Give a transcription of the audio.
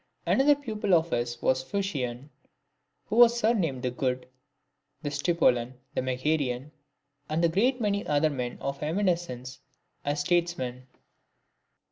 Another pupil of his was Phocion, who was sur named the Good; and Stilpon, the Megarian, and a great many other men of eminence as statesmen.